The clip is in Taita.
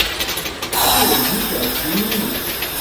Kwaw'ejishwa kii?